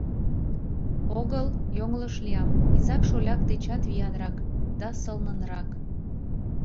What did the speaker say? Огыл, йоҥылыш лиям: изак-шоляк дечат виянрак да сылнынрак.